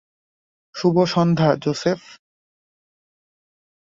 শুভ সন্ধ্যা, জোসেফ।